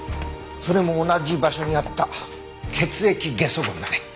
それも同じ場所にあった血液ゲソ痕だね。